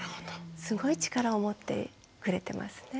すごい力を持ってくれてますね。